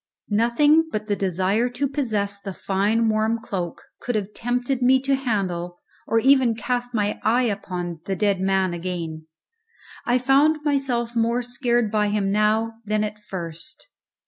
Nothing but the desire to possess the fine warm cloak could have tempted me to handle or even to cast my eye upon the dead man again. I found myself more scared by him now than at first.